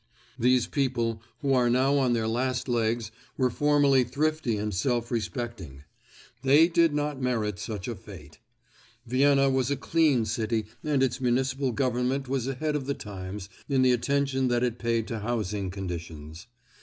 These people, who are now on their last legs, were formerly thrifty and self respecting. They did not merit such a fate. Vienna was a clean city and its municipal government was ahead of the times in the attention that it paid to housing conditions.